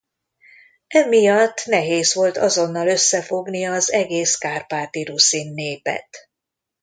Emiatt nehéz volt azonnal összefogni az egész kárpáti ruszin népet.